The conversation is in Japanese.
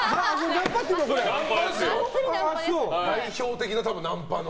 代表的なナンパの。